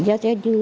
giá trẻ dư